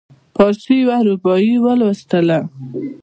فارسي یوه رباعي ولوستله.